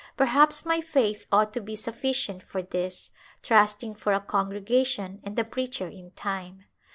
Perhaps my faith ought to be sufficient for this, trusting for a con gregation and a preacher in time.